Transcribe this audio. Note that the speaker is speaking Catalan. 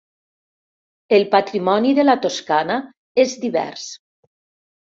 El patrimoni de la Toscana és divers.